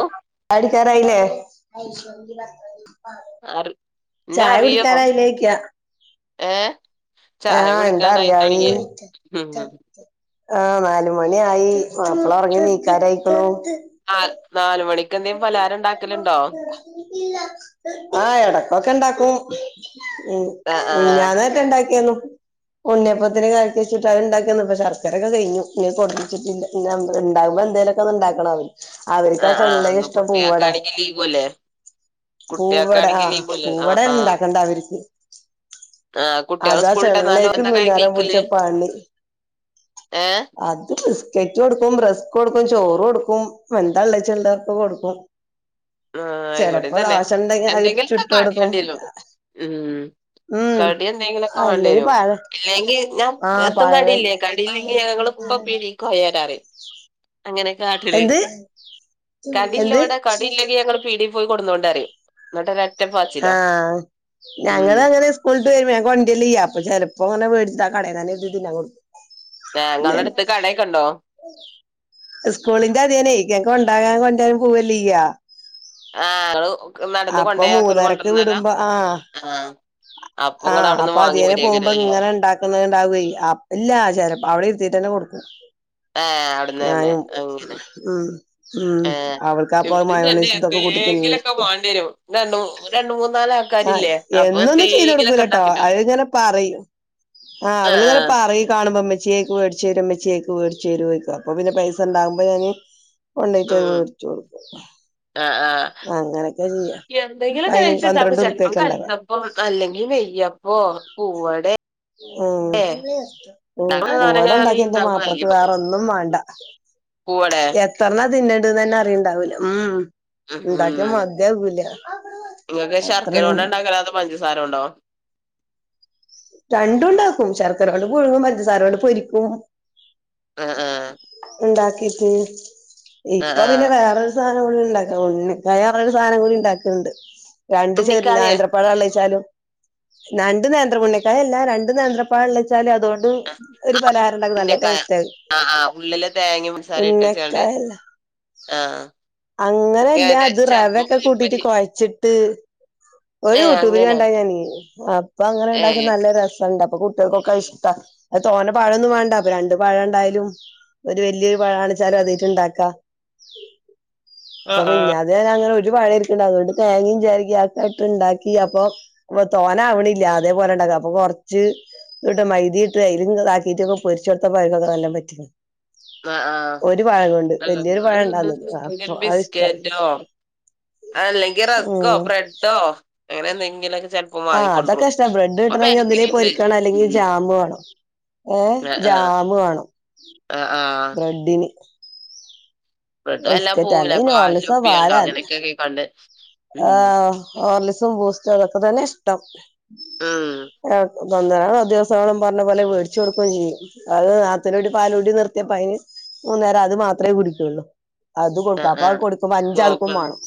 ഓ അടിക്കറായില്ലേ അറി ചായ കുടിക്കാനായില്ലേയ്ക്കാ ഏഹ് ആഹ് എന്താ അറിയായി ഉം ആ നാല് മണി ആയി മാപ്പള ഒറങ്ങി നീക്കാരായികണൂ അഹ് നാല് മണിക്ക് എന്തങ്കിലും പലഹാരം ഉണ്ടാക്കലുണ്ടോ ആഹ് എടക്കൊക്കെ ഇണ്ടാക്കും മി ആ ആ മിഞ്ഞാന്ന് ഇണ്ടാക്കിയാന്നു ഉണ്ണിയപ്പത്തിന് കൽക്കെചിട്ട് അത് ഇണ്ടാക്കിന്നപ്പ ശർക്കരൊക്കെ കഴ്ഞ്ഞു ഇന്ജ് പൊടിപ്പിച്ചിട്ടില്ല ഇണ്ടാകുമ്പോ എന്തേലൊക്കെ ഒന്ന് ഇണ്ടാക്കണം അവർക്ക് ആ ചെള്ളേ ഇഷ്ടംപൂവടെ ലീവുല്ലേ പൂവട കുട്ടികൾക്കാണെങ്കി ആ ലീവുല്ലേ ആ പൂവട ആ ഇണ്ടാക്കണ്ട അവരിക്ക് ആ കുട്ടികള് അതാ സ്കൂളിട്ടന്നാലും ചെള്ളേക്ക് എന്താ കഴി- നുല്യാരം പിടിച്ച കഴിക്കല് പണി ഏ അത് കെറ്റ് കൊടുക്കും ബ്രസ്ക് കൊടുക്കും ചോറ് കൊടുക്കും വെന്തള്ളാച്ച ഉള്ളക്ക കൊടുക്കും ആഹ് ഇവിടെം ചെലപ്പോ തന്നെ ദോശ ഉണ്ടെങ്കി അത് എന്തെങ്കിലക്ക ചുട്ട് കൊടുക്കും കാടിയാണ്ടിയില ഉ ഉം ഉം കടിയൻ എന്തങ്കിലും ഒക്കെ വാണ്ടി അല്ലെങ്കി വരും പഴം ഇല്ലെങ്കിൽ ഞാൻ ആഹ് എർത്തും പഴം കടിയില്ലേ കടിയില്ലെങ്കിൽ ഞങ്ങള് ഇപ്പം പീടിക്ക് കൊയാരാറീം അങ്ങനെ കാട്ടില് എന്ത് കടില്ല എന്ത് ഇബടെ കടി ഞങ്ങള് പീടി പോയി കൊടുന്നോണ്ട് അറീം ആഹ് ഉം ഞങ്ങള് അങ്ങനെ സ്കൂൾ ഇട്ട് വരുമ്പോ ഞങ്ങ വണ്ടി ല്ല്യ അപ്പ ചെലപ്പോ അങ്ങന വേടിച്ചിട്ട് ആ കടേ തന്നെ തിന്നാൻ കൊടും ഞങ്ങളുടെ ഞാന് അടുത്ത് കടയൊക്കെ ഉണ്ടോ സ്കൂളിന്റെ അതിനേ ഞാൻ കൊണ്ടാകാൻ കൊണ്ടരാനും പോവല്ലേ ചെയ്യാ ആ ഇങ്ങള് നടന്ന് അപ്പൊ കൊണ്ടെയാക്കലും മൂന്നരക്ക് കൊണ്ടരുന്നല്ലോ വിടുമ്പോ ആഹ് ആ ആഹ് അപ്പൊ അതിയേരെ പോകുമ്പോ ഇങ്ങനെ ഇണ്ടാക്ക ക്കണ്ടാവേ അപ്പം ഇല്ല ആ ചെലപ്പം അവിടെ ഇരുത്തിയിട്ട് തന്നെ കൊടുക്ക ആഹ് അവിടന്ന് തന്നെ അങ്ങനെ ഉം ഉം ആ അവൾക്കപ്പ ഇവിട തന്നെ മയോണീസ് ഇതൊക്കെ കൂട്ടി തിന്ന്ണ എന്തെങ്ങിലും ഒക്കെ വാണ്ടി വരും ര രണ്ട് മൂന്ന് ആഹ് എന്നൊന്നും ചെയ്ത് കൊടുക്കൂലട്ടോ ഉണ്ടാക്കിട്ടും അത്ങ്ങനെ പറയും ആഹ് അവള്ങ്ങനെ പറയും കാണുമ്പോ ഇമ്മ ചേക്ക് മേടിച്ച് വരും മ്മ ച്ചേക്ക് മേടിച്ചരും ക്ക അപ്പോ പിന്നെ പൈസ ഉണ്ടാകുമോൾ ഞാൻ കൊണ്ടോയിട്ട് ഉം അത് ഉം വെടിച്ചുകൊടുക്കും ആഹ് ആഹ് അങ്ങനെയൊക്കെ ചെയ്യ അയിന് പന്ത്രണ്ട് ഉറുപ്പ്യൊക്കെ ഇണ്ടാക കാൽത്തപ്പോ അല്ലെങ്കി നെയ്യപ്പോ പൂവടെ ഉം പൂവടെ ഉണ്ടെങ്കി സാധനങ്ങ എന്റെ മാപ്പിളക് വേറൊന്ന് ഒന്നും വണ്ട പൂവടയാ എത്രണ തിന്നണ്ട് തന്നെ അറിയണ്ടാവൂല ഉം ഉം ഉണ്ടാക്കിയാ ഉം മതി ആകൂല നിങ്ങൾക്ക് ശർക്കര ഉണ്ടാക്കൽ അതോ പഞ്ചസാര കൊണ്ടോ രണ്ടും ഉണ്ടാക്കും ശർക്കര കൊണ്ട് പുഴുങ്ങും പഞ്ചസാരകൊണ്ട് പൊരിക്കും ആഹ് ആഹ് ഉണ്ടാക്കിട്ട് ആഹ് ആഹ് ഇപ്പൊ ആഹ് പിന്നെ വേറൊരു ഉന്നക്കായർഞ്ഞ സാധനം കൂടി ഉണ്ടാക്കുന്നുണ്ട് രണ്ട് ചെറിയ ഉണ്ണിക്കായ നേന്ത്ര. ള്ളിച്ചാലും രണ്ട് നേന്ത്രം പണ്ണിക്കായല്ല രണ്ട് നേന്ത്ര അപ്പ അള്ളിച്ചാലല് അതുകൊണ്ട് ഒരു പലഹാരം ഉണ്ടാക്കും നല്ല ഉന്നക്കായ ടേസ്റ്റാ ആഹ് ആഹ് ഉള്ളില് തേങ്ങയും പൻസാരിം ഇട്ടച്ചാണ്ട് ഉന്നക്കായല്ല ആഹ് അങ്ങനെല്ല ഏനെ അത് ചെലപ്പോ റവൊക്കെ കൂട്ടിട്ട് പഴംപൊരി കുഴച്ചിട്ട് ത് ഒരു ഏഹ് യൂടൂബില് അങ്ങനെ കണ്ടാ ഞാന് അപ്പൊ അങ്ങനെണ്ടാ ഏഹ് ല്ല രസണ്ടപ്പൊ കുട്ട്യൾക്കൊക്കെയ്ഷ്ടാ അയ് തോനെ പഴൊന്നും വേണ്ട അപ്പ രണ്ട് പഴണ്ടായാലും ഒരു വെല്ല്യൊരു പഴാണ്ച്ചാലും അതേറ്റുണ്ടാക്കാ പ്പോ ആഹ് ആഹ് മിഞ്ഞാ അതേനങ്ങനെ ഒരുപഴേ ര്ക്ക്ണ്ടായോണ്ട് തേങ്ങീം ചെര്കി ആ കെട്ട്ണ്ടാക്കി അപ്പൊ അപ്പൊ തോനാവണില്ല്യാ അതേപോലെണ്ടാക്ക അപ്പൊ കൊറച്ച് ട്ട മൈതിട്ട് അയ്ല്ങ്ങ്താക്കിയിട്ടൊക്കെ പൊര്ച്ചൊട്ത്തപ്പൊ ഒൽക്കൊക്കെ നല്ലൊം പറ്റിക്ണ് ആഹ് ആഹ് വലിയൊരു പഴം ഉണ്ടാന്നത് അപ്പൊ [unintelligible] അത് ബിസ് ഇഷ്ടായി കേറ്റോ അല്ലെങ്കി റസ്ക്കോ ഉം ബ്രെഡോ അങ്ങനെ എന്തെങ്കിലൊക്കെ ച ആഹ് അതൊക്കെ ഇഷ്ടാ ബ്രഡ് കിട്ടണെങ്കി ഒന്ന്ല്ലെങ്കി ഉണ്ട് പൊരിക്കണോ അല്ലെങ്കി ജാമ് വേണം. ഏഹ് ആഹ് ആഹ് ജാമ് വേണം ആഹ് ആഹ് ഇഡ്ഡ്‌ലി ബ്രെഡ് വെല്ലാ പോകൂല അല്ലെ കാശൊപ്പിയണ്ടോ അങ്ങനെയൊക്കെക്കെ കണ്ട് ഉം ആഹ് ഹോർലിസും ബൂസ്റ്റും അതൊക്കെ തന്നെഷ്ടം ഉം തൊന്നരാടം ദിവസങ്ങളും പർഞ്ഞ പോലെ വേട്ച്ച് കൊട്ക്കുകയും ചെയ്യും. അത് നാത്തൂന്റെകുട്ടി പാലൂടി നിർത്തിയപ്പ അയ്ന് മൂന്നേരം അത് മാത്രേ കുടിയ്ക്കുള്ളൂ അത് ആ കൊട്ക്കും ആ അപ്പൊ അയ് കൊടുക്കുമ്പോ അഞ്ചാള്ക്കും നോക്കണം മാണം.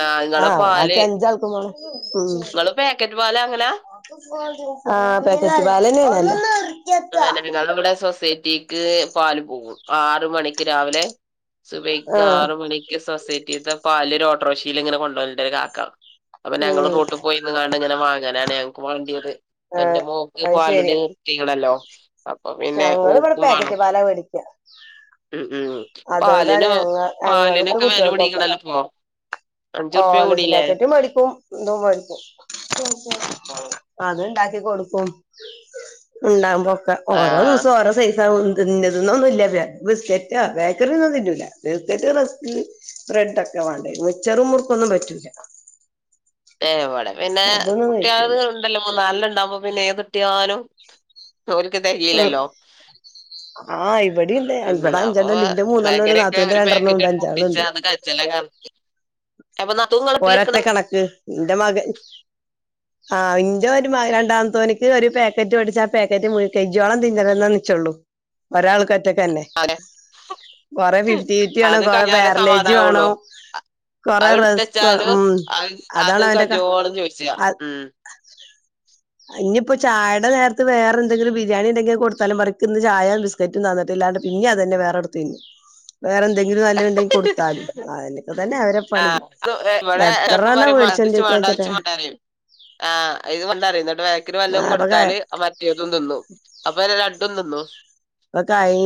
ആ നിങ്ങളെ ആഹ് പാല് വാക്കി അഞ്ചാൾക്കും വേണം. നിങ്ങള് പാക്കറ്റ് പാല് അങ്ങനാ ഉം ആഹ് പേക്കറ്റ് പാലെന്നേണല്ലോ [unintelligible] കാര്ണം വ്ടെ സൊസൈറ്റീക്ക് പാല് പോകും ആറ് മണിക്ക് രാവിലെ സുബൈയ്ക്ക് ആ ആറ് മണിക്ക് സൊസൈറ്റീത്തെ പാല് ഒരു ഓട്ട്രോഷീല് ങ്ങനെ കൊണ്ടോവൽണ്ട് ഒരു കാക്ക അപ്പൊ ഞങ്ങള് ഉം റോട്ട് പോയിന്ന് കാണ്ട് ങ്ങനെ വാങ്ങാനാണ് ഞങ്ങക്ക് വാണ്ട്യത്. ആ എന്റെ മോക്ക് അത് പാലുടി ശരി നിർ ത്തീക്ക്ണല്ലോ അപ്പൊ പിന്നെ ഞങ്ങളിവിടെ ഓക്കും വേണം പാക്കറ്റ് പാലാ മേടിക്ക ഉം ഉം അതുകൊണ്ടാണ് പാലിന് ഞങ്ങ ഞങ്ങൾക്ക് പാലിനൊക്കെ വെലൂടീക്ക്ണല്ലോ പോ ഹോർലിസുംപേക്കറ്റും മേടിക്കും ന്തും മേടിക്കും അത് ണ്ടാക്കി കൊടുക്കും. ണ്ടാവുംമ്പോക്കെ ഓരോ ആഹ് ദിവസൊ ഓരോ സൈസാകും ഇന്നത്‌ന്നൊന്നുല്ല ത് ബിസ്ക്കറ്റാ ബേക്കറിന്നൊന്നും തിന്നൂല്ല ബിസ്ക്കറ്റ് റസ്ക്ക് ബ്രെഡൊക്കെ വാണ്ടേ മിച്ചറും മുർക്കൊന്നും പറ്റൂല്ല ഏഹ് വടെ പിന്നേ അതൊന്നും കുട്ടികളത് കഴിക്കൂല [unintelligible] ണ്ടല്ലമ്മോ നൽണ്ണെണ്ടാവുമ്പോ പിന്നെഏതുട്ട്യാലും ഓരുക്ക് തെക് ഉം യൂലല്ലോ ആഹ് ഇവിടെണ്ട് ഉം ഇവിടെ അപ്പൊ അഞ്ചെണ്ണണ്ട് ഇന്റെ മൂന്നെണ്ണം ഉണ്ട് ബേക്കാറിട്ട്യാ നാത്തൂന്റെ ഒരു രണ്ടെണ്ണം ഉണ്ട് പേക്കറ്റാണ്ട് പൊട്ടിച്ചാ അഞ്ചാളുണ്ട് അത് കൽച്ചലാക്കാ ഒരൊറ്റ കണക്ക് ന്റെ മകൻ ആഹ് ഇന്റെ ഒരു മക രണ്ടാമത്തോനിക്ക് ഒരു പേക്കറ്റ് പൊട്ടിച്ചാ ആ പേക്കറ്റ് മുഴ് കെജോളം തിന്നണന്നാ നിച്ചള്ളൂ ഒരാൾക്കറ്റൊക്കെന്നെ അതെ കൊറെ ഫിഫ്റ്റിവിറ്റി വേണം അത് കൊറെ കഴിഞ്ഞാലേ പാരലേജ് സമാധാനാവുള്ളൂ വേണം കൊറെ അത് റിസ്ക് വാണു എടുത്തച്ചാലും ഉം അത് അത് അതാണവന്റെ കാ കജോളം ചോദിച്ചാ അ ഉം ഞ്ഞിപ്പോ ചായടെ നേര്ത്ത് വേറെന്തെങ്കിലും ബി ബിരിയാണിണ്ടെങ്കി അയ് കൊട്ത്താലും പറിം ക്ക്ന്ന് ചായ ബിസ്ക്കറ്റും തന്നിട്ട്ല്ലാണ്ട് പിന്നി അതെന്നെ വേറെടുത്ത് തിന്നും. വേറെ എന്തെങ്കിലും നല്ലത്ണ്ടെങ്കി കൊട്ത്താലും അ ഓണ്ടൊക്കെ തന്നെ അവരെ പണി എത്രണ്ണം വേടിച്ച് ദ് ച്ച് വാണ്ടാ ച്ച് മുട്ടായതീ ആഹ് ഇത് കൊണ്ടറിം ന്നട്ട് ബേക്ക്ല് ആ വല്ലതും ഇപ്പൊ ക കൊട്ത്താല് മ റ്റേതും തിന്നും. അപ്പൊ എല രണ്ടും തിന്നു പക്കായി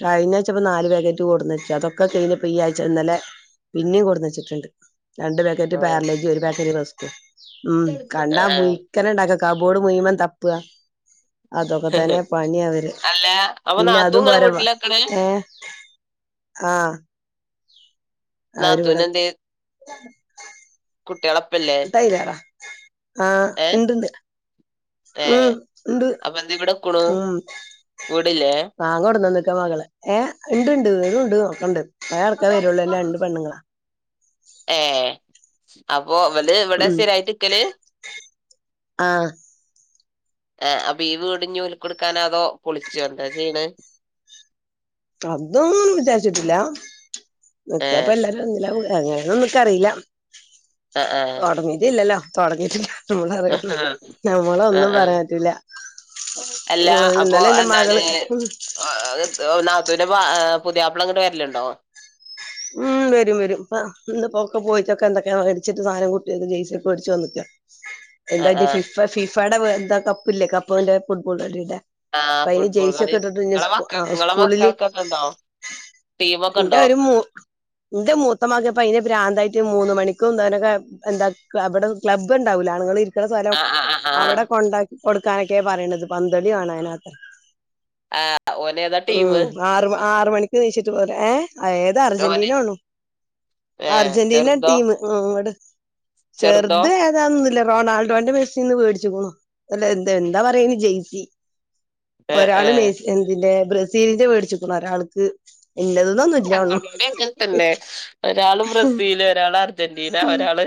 കഴിഞ്ഞഴ്ച്ചപ്പൾ നാല് വേഗറ്റ് കൊടുന്നയ്ച്ച അതൊക്കെ കഴിഞ്ഞപ്പ ഈ ആഴ്ച ഇന്നലെ പിന്നെയും കൊടുന്ന് വച്ചിട്ടുണ്ട് രണ്ട് പാക്കറ്റ് പാർലേജ് ഒരു പാക്കറ്റ് ബസ് ഉം കണ്ടാ ആഹ് പയിക്കന ഉണ്ടാക്ക കബോർഡ് മുയുവൻ തപ്പുക അതൊക്കെ ആഹ് തന്നെ പണി അവര് അല്ല അപ്പൊ പിന്നെ നാത്തൂ അതും ഇങ്ങളെ പോര വാ വീട്ടിലാ നിക്കണേ ഏ ആഹ് അവര് നാത്തൂൻ ഇവിടെ എധ്യേ കുട്ടികളപ്പല്ലേ ല്ലാടാ ആഹ് ഏഹ് ഇണ്ട് ഇണ്ട് ഏഹ് ഉം ഉണ്ട് അപ്പൊ എന്തെ ഇവിടെ നിക്കണു ഉം വീടില്ലേ മാങ്ങോ കൊടെന്നക്കാ മകള് ഏ ഉണ്ട് ഉണ്ട് വുംണ്ട് നോക്കണ്ട് ഏ അപ്പൊ അവല് ഇവിടെ ഉം സ്ഥിരായിട്ടരിക്കല് ആഹ് ആഹ് അപ്പൊ ഈ വീടി ഞ് ഓൽക്ക് കൊടുക്കാനാതോ പൊളിച്ചോ എന്താ ചെയ്യണ് അതൊ വിചാരിച്ചിട്ടില്ല നോക്കപ്പ ഏഹ് എല്ലാരും അങ്ങനെയന്ന നമക്കറിയില്ല ആഹ് ആഹ് തുടങ്ങീട്ട ഇല്ലല്ലോ തുടങ്ങീട്ടില്ല നമ്മളറിയ ആഹ് നമ്മളൊന്നും ആഹ് പറയാൻ പറ്റില്ല അല്ല ആ അപ്പൊ ഇന്നലെ എന്റെ എന്താണ് മകള് നാത്തൂന്റെ പുതിയാപ്പള ഇങ്ങട്ട് വരലുണ്ടോ ഉം വരും വരും അപ്പ ഇൊക്കെ പോയിട്ടൊക്കെ എന്തൊക്കെയ മേടിച്ചിട്ട് സാധനം കുട്ടി ജയ്സിയ ഒക്കെേടിച്ചച്ച് വന്നട്ടാ എന്താ ആഹ് ആഹ് ഫിഫ ഫിഫയുടെ എന്താ കപ്പില്ലേ കപ്പന്റെ ഫുട്ബോൾ വിടെ ആഹ് ഫുട്ബോൾ കണ നിങ്ങളെ മക്കൾ നിങ്ങളടെ സ്കൂളില് മക്കൾക്കൊക്കെ ഇണ്ടോ ടീമ ഒക്കെ ഉണ്ടോ ഇന്റെ മൂത്തമകൻ അയിന്റെ പ്രാന്തായിട്ട് മൂന്ന് മണിക്കുംന്തനൊക്കെ എന്താ അവിടെ ക്ലബ്ണ്ടാവില്ല ആണുങ്ങൾ ഇരി ഇത്ര സ്ഥലം ആ ആ ആ അവിടെ കൊണ്ടാക്കി കൊടുക്കാനൊക്കെയ പറയണത് പന്തള കാണാനത്ര ആ ഓന് ഏതാ ടീമ് ഉം ആറ് ആറ് മണിക്ക് നീച്ചിട്ട് പോരെ ഏ ഏതാ അർജന്റീന ഓന് ആണോ ഏ അർജന്റീന ചെറുതോ ടീംട് ചെറുതോ ചെറുത അതൊന്നില്ല റൊണാൾഡോന്റെ മെസ്സിൽ നിന്ന് മേടിച്ചുോണോ അല്ല എന്താ എന്താ പറയ ജെയ്സി ഏ ഏ ഒരാള് മ എന്തിന്റെ ബ്രസീലിന്റെ മേടിച്ചുക്കണ ഒരാൾക്ക് ഉല്ലതന്നൊന്നുമ ഇല്ല ഉള്ളു ങ്ങനെ തന്നെ ഒരാള് ബ്രസീല് ഒരാള് അർജന്റീന ഒരാള്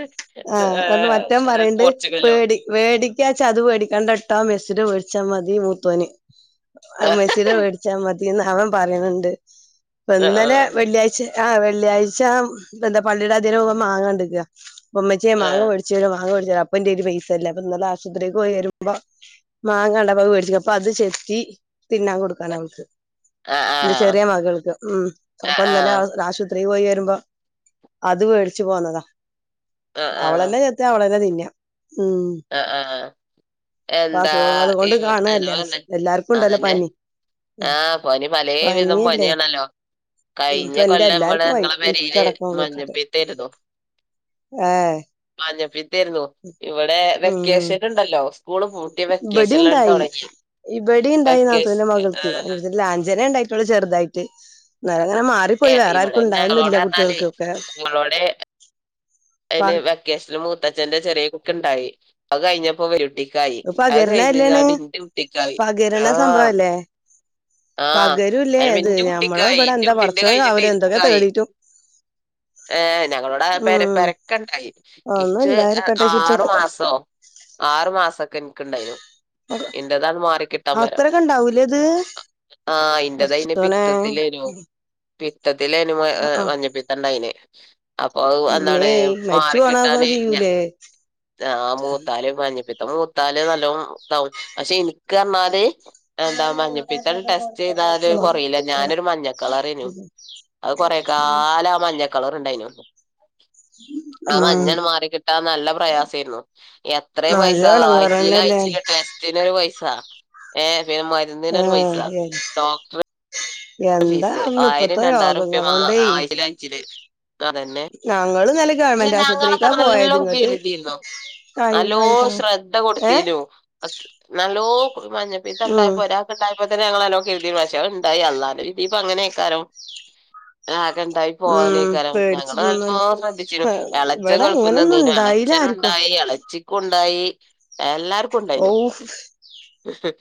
ഏഹ് പോർച്ചുഗലോ വേടിക്കാ ചത് മേടിക്കാണ്ടട്ടോ മെസ്സിഡ മേടിച്ചാൽ മതി മൂത്തോന് ആ ആഹ് മെസ്സീഡ മേടിച്ചാ മതിന്ന് അവൻ പറയണണ്ട് ഇപ്പ ആ ഇന്നലെ വെള്ളിയാഴ്ച ആഹ് വെള്ളിയാഴ്ച എന്താ പള്ളിയുടെ അധം മാങ്ങ എണ്ടടുക്കുക ഉമ്മച്ചെ മാങ്ങ പേട പച്ച മാങ്ങ മേടിച്ച അപ്പന്റെട്ത്ത് പൈസല്ല അപ്പന്നല ആശുപത്രിക്ക് പോയിവരുമ്പ. മാങ്ങ കണ്ടപ്പോ അത്‌ മേടിച്ചിനി അപ്പൊ അത് ചെത്തി തിന്നാൻ കൊടുക്കാണ് അവൾക് ആ ആ ഇന്റെ ചെറിയ മകൾക്ക് ഉ ആ ആ അപ്പൊന്നലെ അ ആശുപത്രിൽ പോയി വരുമ്പോ അത് വെടിച്ചു പോന്നതാ ആ ആ അവളന്നെ അവളെന്നെ തിന്നാ ഉം ആഹ് ആഹ് ഇപ്പൊ എന്താ അസുഖങ്ങൾ ഈ കൊണ്ട് അ കാണല്ലേ ചെറിയോൾ ന്നെ എല്ലാർക്കും ഉണ്ടല്ലോ അതന്നെ പനി ആഹ് പനി പലെ വിധം പനിയല്ലേ പനിയാണല്ലോ കഴിഞ്ഞ ഇപ്പൊ എന്റെ കൊല്ലം ഇവിടെ എല്ലാർക്കും ആയി ഞങ്ങളെ പേരയില് ഇക്കടക്കം തൊട്ടിട്ട് മഞ്ഞപ്പീത്തായിരുന്നു മഞ്ഞപ്പിത്തെരുന്നു ഇവിടെ ഉം വെക്കേഷൻ ഇണ്ടല്ലോ സ്കൂള് പൂട്ടിയ വെക്കേഷനിൽ അങ്ങട് തുടങ്ങിയേ ഇബടിം ഇണ്ടായിനി നാത്തൂന്റെ മകൾക്ക് [unintelligible] ലാഞ്ചന ഇണ്ടായിട്ടുള്ളൂ ചെറുതായിട്ട് ഇന്നാലും അങ്ങനെ മാ ഇണ്ടായി ഏ പോയി വേറെ ഇവിടെ ആർക്കും ഞങ്ങളോട് ഇണ്ടായൊന്നുല്ല പറഞ്ഞാലേ കുട്ട്യൾക്കൊക്കെ അയിന് വെക്കേഷന് മൂത്തച്ഛന്റെ ചെറിയേ [unintelligible] ഇണ്ടായി അത് കഴിഞ്ഞപ്പോ വലിയുട്ടി ക്കായി അത് പകരണല്ലേണ് കഴിഞ്ഞ്ങ്ങാട്ട് ഇന്റുട്ടിക്കായി പകരണ ആഹ് സംഭവല്ലേ ആഹ് പകരൂല്ലേ അയില് പി അത് ഞമ്മള ഇന്റുട്ടിക്കായി ഇവിടെ ഇന്റെ എന്താ കുട്ടീന്റെ പടച്ചോൻ കഴിഞ്ഞിട്ട് കാവല് എന്തൊക്കെ ഇൻക്കായി തേടിട്ടും ഏഹ് ഞങ്ങളോടെ ആക പെര ഉം പര ക്കണ്ടായി ഒന്നും ഇച്ച് ഏഹ് ഇല്ലാതിരിക്കട്ടെ ആറു ചിട്ടക്ക് മാസോ ആറു മാസക്കെ ഇന്ക്ക് ഇണ്ടായിനു ഇന്റതാണ് മാറി കിട്ടാൻ പരം അത്രൊക്കെ ഉണ്ടാവൂലേ ഇത് ആഹ് ആഹ് ഇന്റത്തയിന് പടച്ചോനെ പിത്തത്തിലേനു പിത്തത്തിലേനു മ ആ ഏഹ് ആ മഞ്ഞപ്പിത്തണ്ടായിനെ അപ്പൊ അത്‌ എന്താണ് ഇമ്മേ മരിച്ചു പോണൊക്കെ മാറിക്കിട്ടാന് ഞ ചെയ്യൂലേ ആഹ് മൂത്താല് മഞ്ഞപ്പി ത്തം മൂത്താല് നല്ലോണം ഇതാവും പക്ഷേ ഇൻക്ക് പറ്ഞ്ഞാല് എന്താ മഞ്ഞപ്പിത്തം ടെസ്റ്റെയ്താല് കൊറയില്ല ഞാനൊരു മഞ്ഞക്കളറേനു അഹ് കൊറെ കാലം ആ മഞ്ഞ കളർ ഇണ്ടായിനു ആ ഉം മഞ്ഞണ് മാറിക്കിട്ടാൻ നല്ല പ്രയാസേരുന്നു എത്രേ നല്ല പൈസാവും ആഴ്ച്ചീല് എടങ്ങേറന്നല്ലേ ആഴ്ച്ചീല് ടെസ് റ്റി‌ന് ഒരു പൈസ ഏഹ് പിന്നെ ആ മരുന്നിനൊരു പൈസ ഡോക്ടറെ എന്താ ഫീസ് പറഞ്ഞ ഇപ്പത്തെ ആയിരം രണ്ടായിരം റുപ്യാ മാ രോഗങ്ങളോണ്ടേ ആഴ്ച്ചീല് ആഴ്ച്ചീല് അതെന്നെ ഞങ്ങള് ഇന്നാല് പക്ഷേ ഞങ്ങളൊക്കെ [unintelligible] നല്ലോ കാണിക്കണം ശ്രദ്ധ ഏ കൊടുത്തീനു അ നല്ലോ പ് മഞ്ഞപ്പിത്തം ഉം ഇണ്ടായപ്പോ ഒരാ ക്ക് ഇണ്ടായപ്പോ തന്നെ ഞങ്ങള് നല്ലോണം കര്തീനു പക്ഷേ അഹ് ഇണ്ടായി അള്ളാന്റെ വിധി ഇപ്പൊ അങ്ങനേക്കാരം ആകെ ഇണ്ടായി ഉം പോവാനേക്കാരം ഞങ്ങള് പേടിച്ചിരുന്നല്ല നല്ലോം ശ്രദ്ധി എളച്ചൻ ഇവിടെ ഗൾഫ്ന്ന് അങ്ങനൊന്നും വന്നീനു ഉണ്ടായില്ല ആർക്കും എളച്ചനുണ്ടായി എളച്ചിക്കുണ്ടായി എല്ലാ ർക്കും ഓ ഇണ്ടായിനു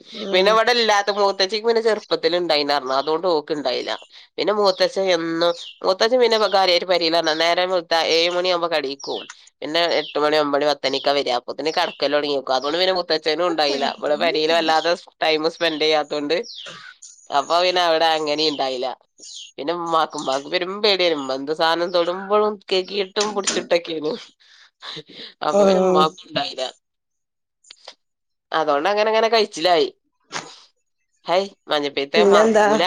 ഉം പിന്നെ ഇവടെ ഇല്ലാത്തെ മൂ ത്തച്ചിക്ക് പിന്നെ ചെറുപ്പത്തില് ഇണ്ടായിനർഞ്ഞു അതോണ്ട് ഓള്ക്ക് ഇണ്ടായില്ല പിന്നെ മൂത്തച്ഛൻ എന്നും മൂത്തച്ഛൻ പിന്നെ പ കാര്യായിട്ട് പെരീന്നറഞ്ഞാ നേരം വെള് ത്താ ഏഴ് മണിയാവുമ്പോ കടേക്ക് പോവും പിന്നെ എട്ട് മണി ഒമ്പണി പത്തണിക്കാ വര്യാ അപ്പോത്തിന് കടക്കല് തൊടങ്ങീക്കും അതോണ്ട് പിന്നെ മൂ ത്തച്ഛനുണ്ടായില്ല ഇവടെ പെരീല് വല്ലാതെ സ് ടൈം സ്പെന്റെയ്യാതോണ്ട് അപ്പോ വേ ന്നെ അവടെ അങ്ങനീം ഇണ്ടായില്ല പിന്നെ ഇമ്മാക്കും ഇമ്മാക്ക് പെരും പേടിയേനി ഇമ്മ എന്ത് സാനം തൊടുമ്പളും കഴ്ക്കീട്ടും പുട്ച്ചിട്ടൊക്കേനു അപ്പൊ പിന്നെ ഉം ഉമ്മാക്കും ഇണ്ടായില്ല അതൊണ്ട് അങ്ങനെ അങ്ങനെ കഴിച്ചിലായി ഹയ് മഞ്ഞപ്പിത്തെ പിന്നെന്താ മറക്കൂല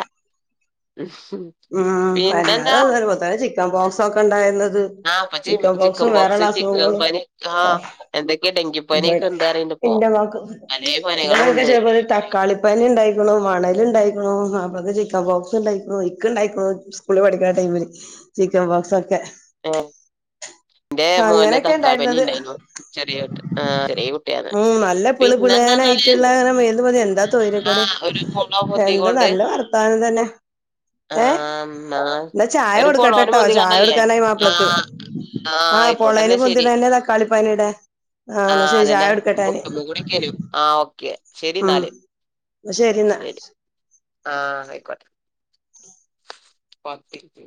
ഉം പിന്നെന്താ വല്ലാതെ ഇതന്നെ ഇപ്പോ തന്നെ ചിക്കൻ ബോക്സൊക്കെ ഇണ്ടായിര്ന്നത് ആഹ് ഇപ്പച്ചി ചിക്കൻ ബോക്സ് ചിക്കൻ പനി ആഹ് ഓഹ് എന്തക്കെ ഡെങ്കി പനിയൊക്കെണ്ട് പറിയ്ണ്ട് ഇന്റെ ഇമ്മാക്ക് [unintelligible] ത ക്കാളിപ്പനി ഇണ്ടായിക്ക്ണു മണല് ഇണ്ടായിക്ക്ണു അപ്പോത് ചിക്കൻബോക്സ്‌ ഇണ്ടായിക്ക്ണ് ഇന് ക്ക് ഇണ്ടായിക്ക്ണു സ്കൂള് പഠിക്കിണ ടൈമില് ചിക്കൻ ബോക്സൊക്കെ ഏഹ് ഇന്റെ മോന് തക്കാളി പനി ഉണ്ടായിരുന്നത് ഇണ്ടായിനു ചെറിയോന്ക്ക് ആഹ് ചെറ്യേ കു ഉം നല്ല പ്ള്പ്ളേനായിറ്റ്ള്ളെ [unintelligible] എന്താ ആ തൊയിരക്കേട് ഒരു പൊളോ എന്താ പൊന്തിക്കൊണ്ട് നല്ല വർത്താനം തന്നെ ആ ഏഹ് ന്നാ ന്നാ ചായ ഒരു പൊളോന് കൊടുക്കട്ടെട്ടോ ചായ പൊന്തിക്കാണ്ടല്ലേ കൊടുക്കാനായി ആ മാപ്പളക്ക് ആ ആഹ് ആയിക്കോട്ടെ പൊളേന് എന്നാ ശരി പൊന്തിയതന്നേ തക്കാളിപ്പനീടെ ആഹ് ന്നാ ശരി ചായൊ വരും ആഹ് ഓക്കെ ശരി ഉം ഇന്നാല് എന്നാ എന്നാ ശരി ആഹ് ന്നയിക്കോട്ടെ ഓക്കേ